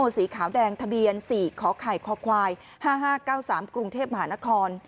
สีขาวแดงทะเบียนสี่ขอไข่คอควายห้าห้าเก้าสามกรุงเทพมหานคร